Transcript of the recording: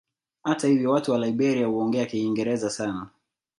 Hata hivyo watu wa Liberia huongea Kiingereza sana.